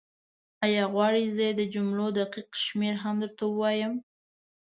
ایا غواړې زه یې د جملو دقیق شمېر هم درته ووایم؟